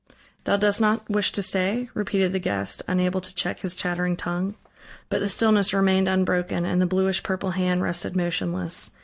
"Thou dost not wish to say?" repeated the guest, unable to check his chattering tongue. But the stillness remained unbroken, and the bluish purple hand rested motionless.